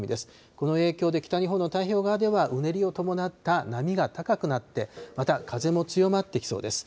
この影響で北日本の太平洋側では、うねりを伴った波が高くなって、また風も強まってきそうです。